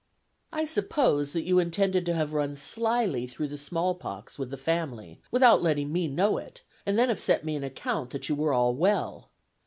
"I suppose that you intended to have run slyly through the small pox with the family, without letting me know it, and then have sent me an account that you were all well.